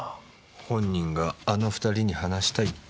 本人があの２人に話したいって。